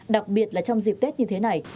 đặc biệt là trong dịp tết như thế này